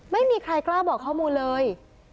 ไม่มีใครกล้าบอกข้อมูลเลย